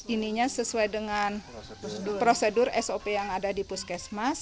ininya sesuai dengan prosedur sop yang ada di puskesmas